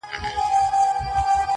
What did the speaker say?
بوډا په ټولو کي پردی سړی لیدلای نه سو-